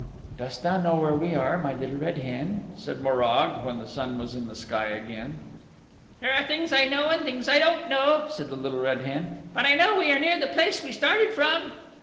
"Dost thou know where we are, my Little Red Hen?" said Morag when the sun was in the sky again. "There are things I know and things I don't know," said the Little Red Hen, "but I know we are near the place we started from."